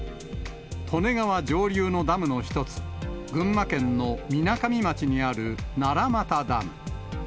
利根川上流のダムの一つ、群馬県のみなかみ町にある奈良俣ダム。